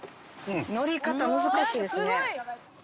乗り方難しいですね。